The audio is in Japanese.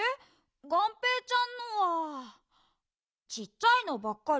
がんぺーちゃんのはちっちゃいのばっかり？